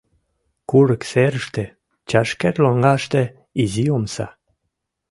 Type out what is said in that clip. Курык серыште, чашкер лоҥгаште, — изи омса.